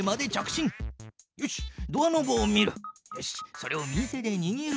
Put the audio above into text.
それを右手でにぎる。